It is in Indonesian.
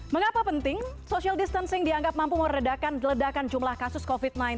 mengapa penting social distancing dianggap mampu meredakan ledakan jumlah kasus covid sembilan belas